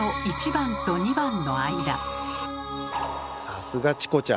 さすがチコちゃん！